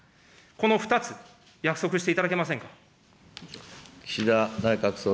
この２つ、約束していただけませんか。